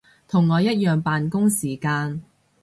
同我一樣扮工時間